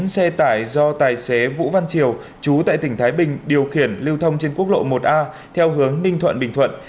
bốn xe tải do tài xế vũ văn triều chú tại tỉnh thái bình điều khiển lưu thông trên quốc lộ một a theo hướng ninh thuận bình thuận